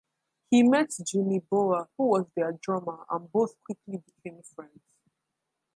He met Jimmy Bower, who was their drummer, and both quickly became friends.